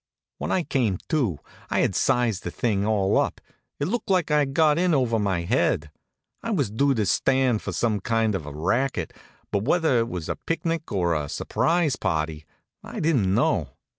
When I came to, and had sized the thing all up, it looked like I'd got in over my head. I was due to stand for some kind of a racket, but whether it was a picnic, or a surprise party, I didn't know.